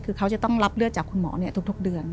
คือเขาจะต้องรับเลือดจากคุณหมอทุกเดือน